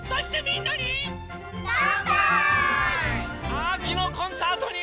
あきのコンサートに。